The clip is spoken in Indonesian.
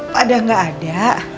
padahal gak ada